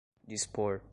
dispor